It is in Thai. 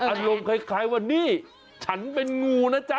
อารมณ์คล้ายว่านี่ฉันเป็นงูนะจ๊ะ